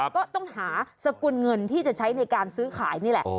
ก็ต้องหาสกุลเงินที่จะใช้ในการซื้อขายนี่แหละ